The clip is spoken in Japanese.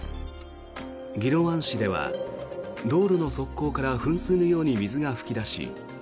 宜野湾市では道路の側溝から噴水のように水が噴き出し